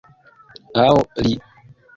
Aŭ li